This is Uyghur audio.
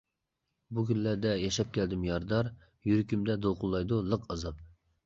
بۇ كۈنلەردە ياشاپ كەلدىم يارىدار، يۈرىكىمدە دولقۇنلايدۇ لىق ئازاب.